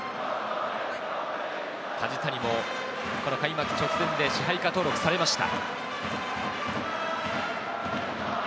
梶谷もこの開幕直前で支配下登録されました。